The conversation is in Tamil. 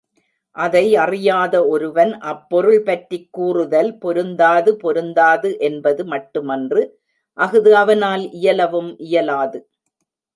அதை அறியாத ஒருவன் அப்பொருள் பற்றிக் கூறுதல் பொருந்தாது பொருந்தாது என்பது மட்டுமன்று அஃது அவனால் இயலவும் இயலாது.